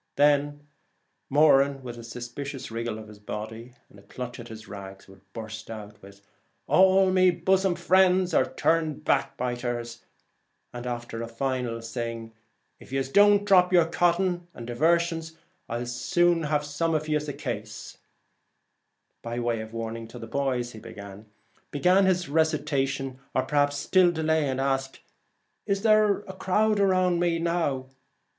Then Moran, with a sus picious wriggle of his body and a clutch at his rags, would burst out with ■ All me buzzim friends are turned backbiters ;' and after a final ' If yez don't drop your coddin' and diversion I'll lave some of yez a case,' by way of warning to the boys, begin his recitation, or perhaps still delay, to ask, 'Is there a crowd round me now?